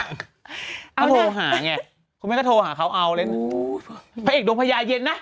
คุณแม่ก็โทรหาไงคุณแม่ก็โทรหาเขาเอาเลยพระเอกดวงพระยายเย็นน่ะ